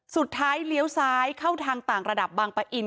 เลี้ยวซ้ายเข้าทางต่างระดับบางปะอิน